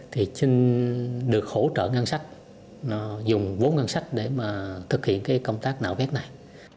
thì xin được hỗ trợ ngân sách dùng vốn ngân sách để mà thực hiện cái công tác nạo vét này